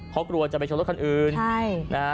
เพราะกลัวจะไปชนรถคันอื่นใช่นะฮะ